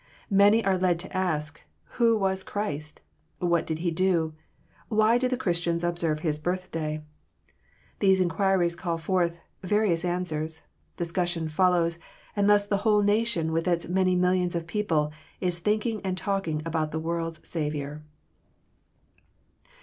Many are led to ask, 'Who was Christ? What did He do? Why do the Christians observe His birthday?' These inquiries call forth various answers, discussion follows, and thus the whole nation with its many millions of people, is thinking and talking about the world's Saviour."